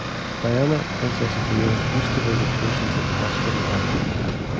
Diana, Princess of Wales used to visit patients at the hospital often.